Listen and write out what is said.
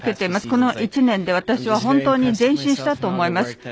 この１年で私は本当に前進したと思います。